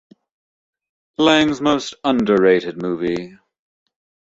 Lang's most underrated movie.